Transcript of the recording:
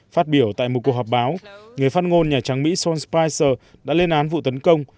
phát biểu tại một cuộc họp báo người phát ngôn nhà trắng mỹ sul spris đã lên án vụ tấn công